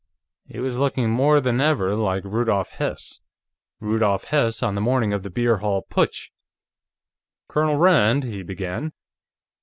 He was looking more than ever like Rudolf Hess. Rudolf Hess on the morning of the Beer Hall Putsch. "Colonel Rand," he began.